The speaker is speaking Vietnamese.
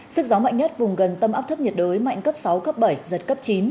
sức gió mạnh nhất vùng gần tâm áp thấp nhiệt đới mạnh cấp sáu cấp bảy giật cấp chín